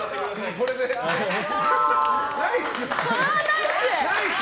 これはナイス。